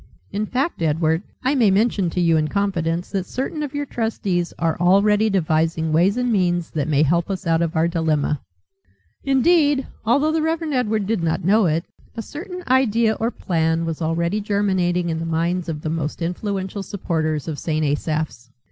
In fact, Edward, I may mention to you in confidence that certain of your trustees are already devising ways and means that may help us out of our dilemma." Indeed, although the Reverend Edward did not know it, a certain idea, or plan, was already germinating in the minds of the most influential supporters of St. Asaph's.